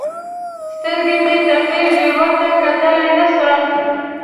سترګې مې تخېږي؛ ورته کتلای نه سم.